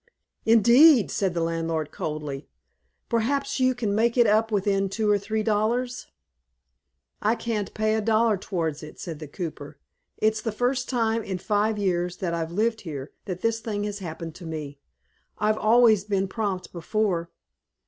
"Indeed!" said the landlord coldly. "Perhaps you can make it up within two or three dollars?" "I can't pay a dollar towards it," said the cooper. "It's the first time, in five years that I've lived here, that this thing has happened to me. I've always been prompt before."